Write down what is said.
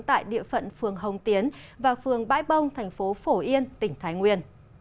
tại địa phận phường hồng tiến và phường bãi bông thành phố phổ yên tỉnh thái nguyên